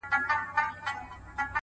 • رب دي سپوږمۍ كه چي رڼا دي ووينمه؛